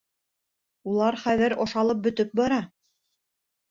Улар хәҙер ашалып бөтөп бара.